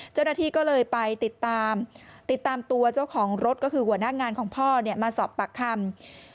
เจ้าหน้าที่ก็เลยไปติดตามติดตามตัวเจ้าของรถก็คือหัวหน้างานของพ่อมาสอบปากคำ